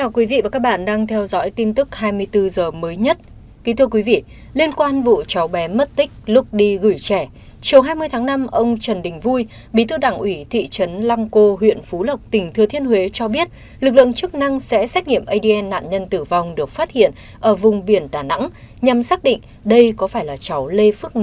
các bạn hãy đăng ký kênh để ủng hộ kênh của chúng mình nhé